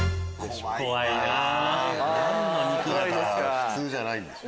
普通じゃないんでしょ。